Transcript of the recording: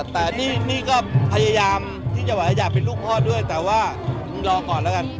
แต่นี่ก็พยายามที่จะบอกว่าอยากเป็นลูกพ่อด้วยแต่ว่ารอก่อนแล้วกัน